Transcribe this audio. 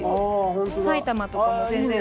埼玉とかも全然。